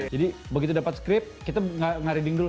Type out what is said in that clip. jadi begitu dapat skrip kita nge reading dulu